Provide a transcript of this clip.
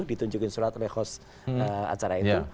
ditunjukin surat oleh host acara itu